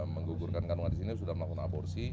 menggugurkan kanwa di sini sudah melakukan aborsi